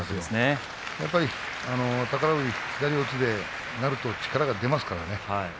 宝富士は左四つになると力が出ますからね。